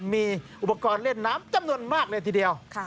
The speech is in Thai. มีอุปกรณ์เล่นน้ำจำนวนมากเลยทีเดียว